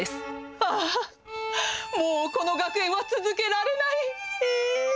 あー、もう、この学園は続けられない。